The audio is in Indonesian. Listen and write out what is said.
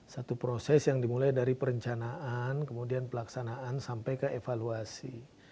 satu proses yang dimulai dari perencanaan kemudian pelaksanaan sampai ke evaluasi